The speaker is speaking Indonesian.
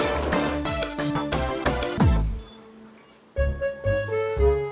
oh kalau iya kan vlogging